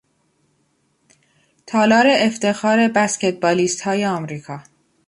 تالار افتخار بسکتبالیستهای امریکا